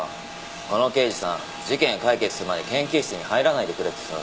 この刑事さん事件が解決するまで研究室に入らないでくれってさ。